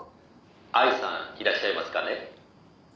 「愛さんいらっしゃいますかね？」